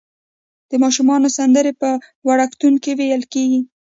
د ماشومانو سندرې په وړکتون کې ویل کیږي.